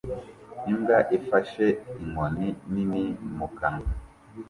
Imbwa ifashe inkoni nini mu kanwa